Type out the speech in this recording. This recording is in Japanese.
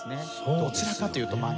どちらかというと真夏。